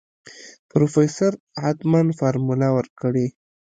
پروفيسر حتمن فارموله ورکړې.